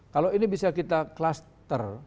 kalau ini bisa kita kluster